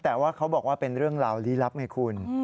แต่ว่าเขาบอกว่าเป็นเรื่องราวลี้ลับไงคุณ